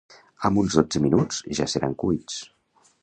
Amb uns dotze minuts ja seran cuits.